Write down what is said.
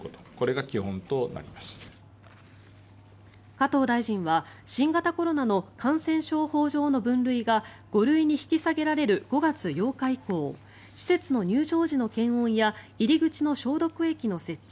加藤大臣は新型コロナの感染症法上の分類が５類に引き下げられる５月８日以降施設の入場時の検温や入り口の消毒液の設置